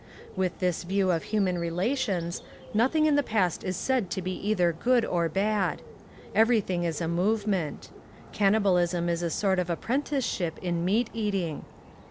With this view of human relations, nothing in the' past is said to be either good or bad. Every thing is a movement. Cannibalism is a sort of apprenticeship in meat eating.